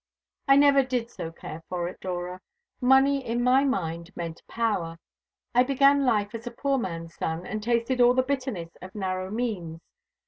"I never did so care for it, Dora. Money in my mind meant power. I began life as a poor man's son, and tasted all the bitterness of narrow means.